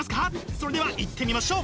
それではいってみましょう！